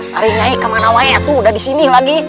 mari nyi kemana sudah di sini